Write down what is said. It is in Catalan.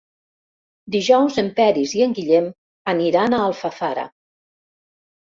Dijous en Peris i en Guillem aniran a Alfafara.